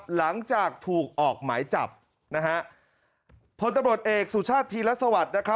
หลังจากถูกออกหมายจับพลตำรวจเอกสุชาติธีรัฐสวรรค์